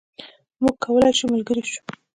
موږ کولای شو ملګري شو.